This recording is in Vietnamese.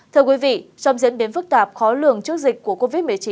thưa quý vị trong diễn biến phức tạp khó lường trước dịch covid một mươi chín